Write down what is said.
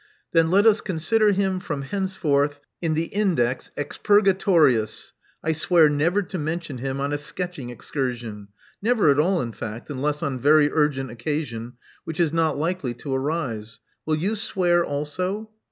*'Then let us consider him, from henceforth, in the Index expurgatorius. I swear never to mention him on a sketching excursion — ^never at all, in fact, unless on very urgent occasion, which is not likely to arise. Will you swear also?"